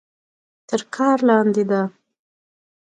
تر کار لاندې ده.